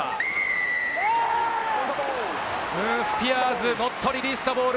スピアーズ、ノットリリースザボール。